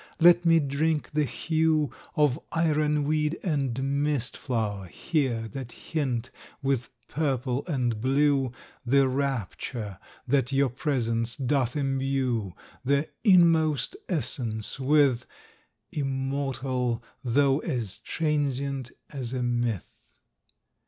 Let me drink the hue Of ironweed and mist flow'r here that hint, With purple and blue, The rapture that your presence doth imbue Their inmost essence with, Immortal though as transient as a myth.